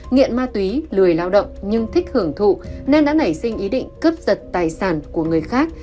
nghiện ma túy lười lao động nhưng thích hưởng thụ nên đã nảy sinh ý định cướp giật tài sản của người khác